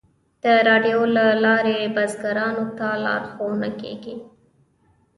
د راډیو له لارې بزګرانو ته لارښوونه کیږي.